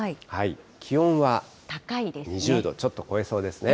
気温は２０度ちょっと超えそうですね。